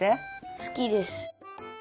すきです。